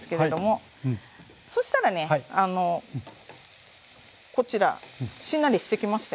そしたらねこちらしんなりしてきましたよね。